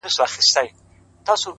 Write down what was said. ځه پرېږده وخته نور به مي راويښ کړم ؛